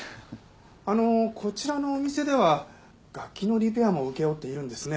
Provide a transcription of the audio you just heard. あのこちらのお店では楽器のリペアも請け負っているんですね。